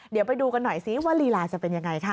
เดี๋ยวไปดูกันหน่อยซิว่าลีลาจะเป็นยังไงค่ะ